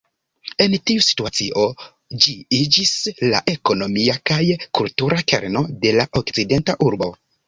En tiu situacio ĝi iĝis la ekonomia kaj kultura kerno de la okcidenta urbo.